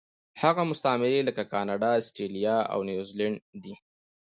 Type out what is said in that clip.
هغه مستعمرې لکه کاناډا، اسټرالیا او نیوزیلینډ دي.